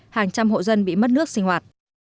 hàng trăm hộ dân bị mất nước sinh hoạt